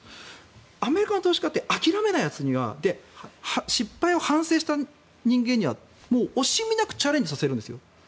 アメリカの投資家って諦めないやつには失敗を反省した人間には惜しみなくチャレンジさせるんです。